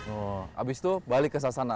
oh abis itu balik ke sasana